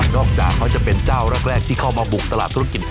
จากเขาจะเป็นเจ้าแรกที่เข้ามาบุกตลาดธุรกิจ